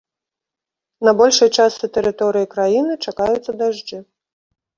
На большай частцы тэрыторыі краіны чакаюцца дажджы.